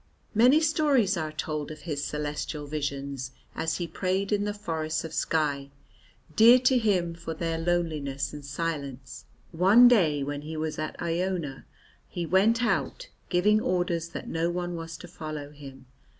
Many stories are told of his celestial visions as he prayed in the forests of Skye, dear to him for their loneliness and silence. One dy, when he was at Iona he went out, giving orders that no one was to follow him.